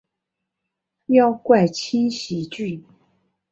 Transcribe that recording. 妖怪轻喜剧！